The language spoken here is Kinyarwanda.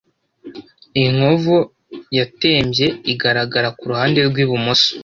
Inkovu yatembye igaragara ku ruhande rw'ibumoso